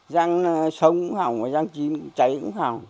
giang sống cũng hồng giang chín cháy cũng hồng